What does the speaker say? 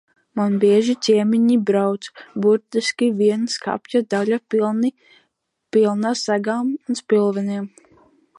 Man bieži ciemiņi brauc, burtiski viena skapja daļa pilna segām, spilveniem.